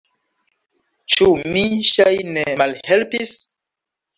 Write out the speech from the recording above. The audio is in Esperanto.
Ĉu mi, ŝajne, malhelpis?